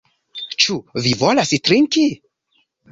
Ĉu vi volas trinki?